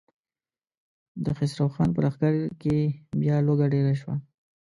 د خسرو خان په لښکر کې بيا لوږه ډېره شوه.